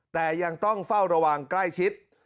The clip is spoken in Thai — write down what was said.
แต่ยังต้องเฝ้าระวังใกล้ชิด